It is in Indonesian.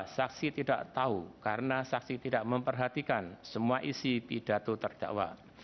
saksi tidak tahu karena saksi tidak memperhatikan semua isi pidato terdakwa